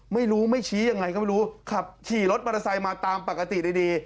ไม่รู้ไม่ชี้ยังไงก็ไม่รู้ขับขี่รถมอเตอร์ไซค์มาตามปกติดี